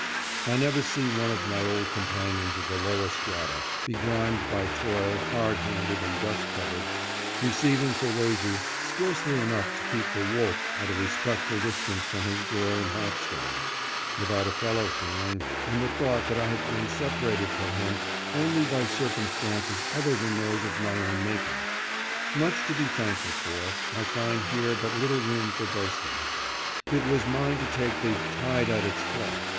I never see one of my old companions of the lower strata, begrimed by toil, hard handed and dust covered, receiving for wages scarcely enough to keep the " wolf " at a respectful distance from his door and hearthstone, without a fellow feeling and the thought that I have been separated from him only by cir cumstances other than those of my own making. Much to be thankful for, I find here but little room for boast ing. It was mine to take the "Tide at its flood."